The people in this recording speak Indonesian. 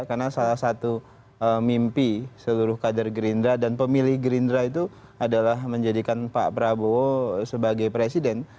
karena salah satu mimpi seluruh kader gerindra dan pemilih gerindra itu adalah menjadikan pak prabowo sebagai presiden